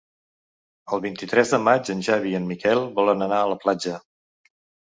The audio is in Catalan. El vint-i-tres de maig en Xavi i en Miquel volen anar a la platja.